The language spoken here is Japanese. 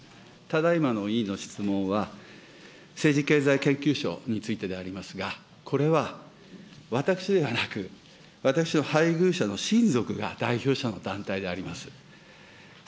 ただいまの委員の質問は、政治経済研究所についてでありますが、これは私ではなく、私の配偶者の親族が代表者の団体であります。